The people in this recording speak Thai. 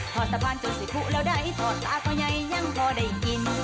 พอสะพานจนสิบผู้แล้วได้ถอดตาก็ยัยยังพอได้กิน